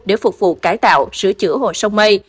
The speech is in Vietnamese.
để phục vụ cải tạo sửa chữa hồ sông mây